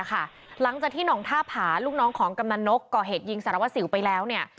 หลังจากที่หนองท่าผาลูกน้องของกำนันนกก่อเหตุยิงสารวัสสิวไปแล้วเนี่ย